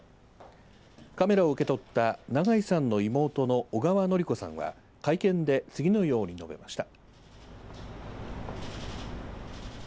カメラを受け取った長井さんの妹の小川典子さんは会見で次のように述べました。